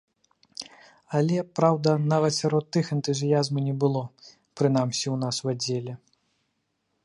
Але, праўда, нават сярод тых энтузіязму не было, прынамсі ў нас у аддзеле.